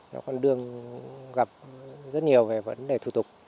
nó còn đương gặp rất nhiều về vấn đề thủ tục